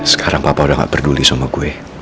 sekarang papa udah gak peduli sama gue